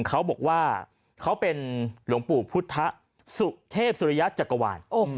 เขาบอกว่าเขาเป็นหลวงปู่พุทธสุเทพสุริยะจักรวาล